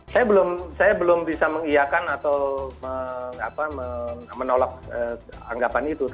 saya belum bisa mengiakan atau menolak anggapan itu